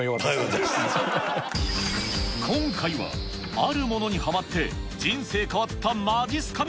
あるものにハマって人生変わったまじっすか人。